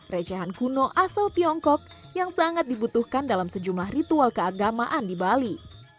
recehan kuno asal tiongkok yang sangat dibutuhkan dalam sejumlah ritual keagamaan di bali